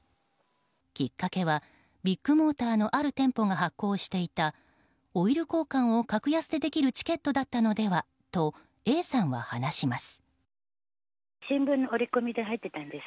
きっかけは、ビッグモーターのある店舗が発行していたオイル交換を格安でできるチケットだったのではとＡさんは話します。